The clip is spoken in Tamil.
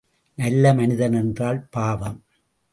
நல்ல மனிதன் என்றால், பாவம்!